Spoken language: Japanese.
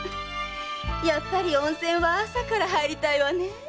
やっぱり温泉は朝から入りたいわねえ。